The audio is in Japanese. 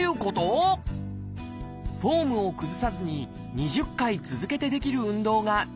フォームを崩さずに２０回続けてできる運動が低強度です。